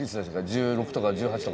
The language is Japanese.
１６とか１８とか。